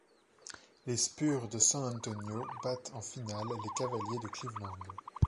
Les Spurs de San Antonio battent en finale les Cavaliers de Cleveland.